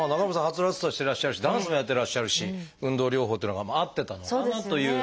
はつらつとしてらっしゃるしダンスもやってらっしゃるし運動療法っていうのが合ってたのかなという。